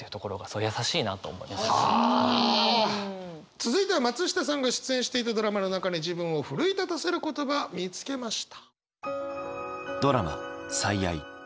続いては松下さんが出演していたドラマの中に自分を奮い立たせる言葉見つけました。